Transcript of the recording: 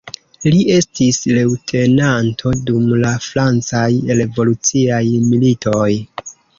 Li estis leŭtenanto dum la francaj revoluciaj militoj.